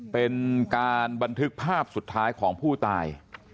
เป็นการบันทึกภาพสุดท้ายของผู้ตาย